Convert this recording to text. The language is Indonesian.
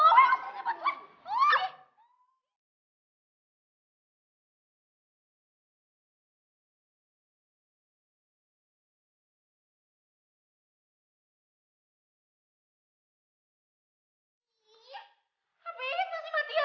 gue kan bisa jelasin kenapa gue hijau ijau kuenya